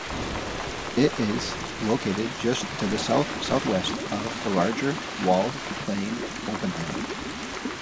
It is located just to the south-southwest of the larger walled plain Oppenheimer.